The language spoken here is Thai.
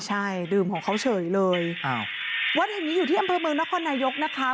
ใช่ดื่มของเขาเฉยเลยอ้าววัดแห่งนี้อยู่ที่อำเภอเมืองนครนายกนะคะ